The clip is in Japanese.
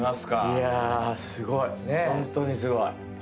いやすごいホントにすごい。